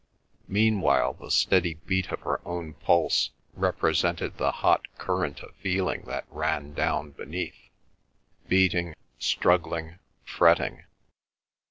Meanwhile the steady beat of her own pulse represented the hot current of feeling that ran down beneath; beating, struggling, fretting.